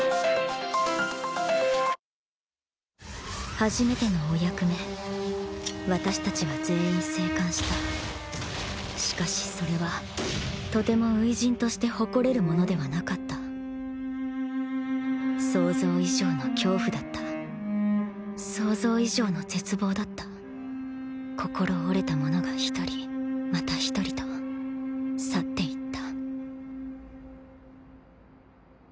初めてのお役目私たちは全員生還したしかしそれはとても初陣として誇れるものではなかった想像以上の恐怖だった想像以上の絶望だった心折れた者が１人また１人と去っていった